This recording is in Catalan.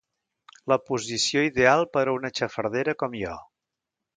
La posició ideal per a una xafardera com jo.